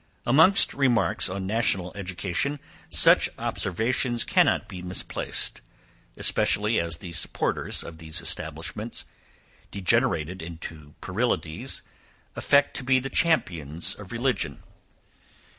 Amongst remarks on national education, such observations cannot be misplaced, especially as the supporters of these establishments, degenerated into puerilities, affect to be the champions of religion.